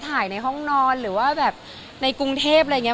ในห้องนอนหรือว่าแบบในกรุงเทพอะไรอย่างนี้